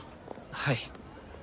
はい。